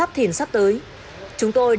kiểu cửa hàng